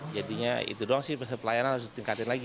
jadinya itu doang sih pelayanan harus ditingkatin lagi